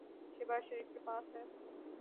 شہباز شریف کے پاس ہے۔